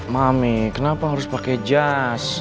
mami kenapa harus pakai jas